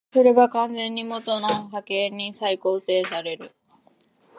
標本化すれば完全に元の波形に再構成される